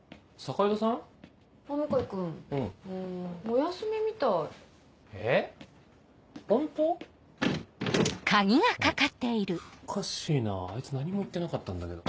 鍵が掛かっているおかしいなあいつ何も言ってなかったんだけど。